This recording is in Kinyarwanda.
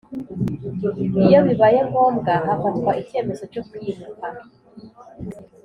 Iyo bibaye ngombwa hafatwa icyemezo cyo kwimuka